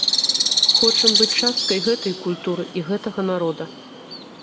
Хочам быць часткай гэтай культуры і гэтага народа.